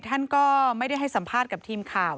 ท่านก็ไม่ได้ให้สัมภาษณ์กับทีมข่าว